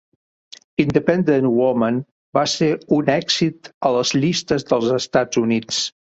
"Independent Women" va ser un èxit a les llistes dels Estats Units.